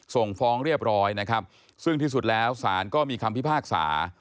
ส่งฟ้องเรียบร้อยนะครับซึ่งที่สุดแล้วศาลก็มีคำพิพากษา